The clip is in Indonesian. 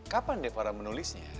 kapan deh para menulisnya